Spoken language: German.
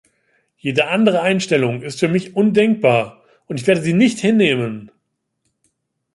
Jede andere Einstellung ist für mich undenkbar ich werde sie nicht hinnehmen.